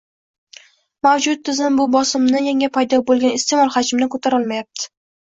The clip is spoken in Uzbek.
Mavjud tizim bu bosimni, yangi paydo boʻlgan isteʼmol hajmini koʻtarolmayapti.